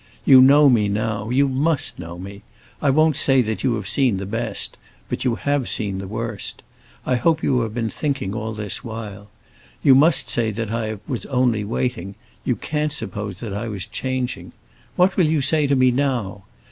You know me now; you must know me. I won't say that you have seen the best—but you have seen the worst. I hope you have been thinking all this while. You must have seen that I was only waiting; you can't suppose that I was changing. What will you say to me, now?